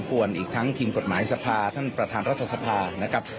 วนอีกทั้งทีมกฎหมายสภาท่านประธานรัฐสภานะครับ